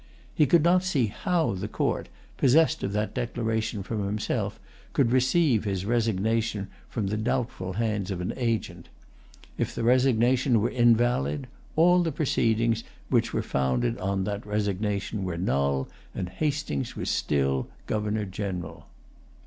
He could not see how the court, possessed of that declaration from himself, could receive his resignation from the doubtful hands of an agent. If the resignation were invalid, all the proceedings which were founded on that resignation were null, and Hastings was still Governor General.